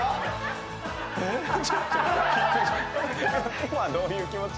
今どういう気持ち？